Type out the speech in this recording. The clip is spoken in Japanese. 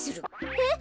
えっ？